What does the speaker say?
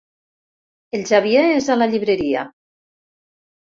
El Xavier és a la llibreria.